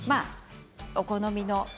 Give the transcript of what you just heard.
お好みの。